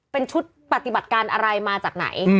เป็นชุดปฏิบัติการอะไรมาจากไหน